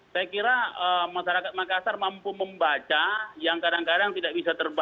saya kira masyarakat makassar mampu membaca yang kadang kadang tidak bisa terbaca